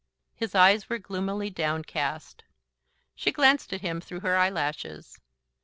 His eyes were gloomily downcast. She glanced at him through her eyelashes.